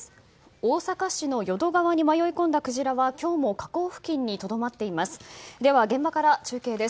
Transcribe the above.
大阪市の淀川に迷い込んだクジラは今日も河口付近にとどまっています。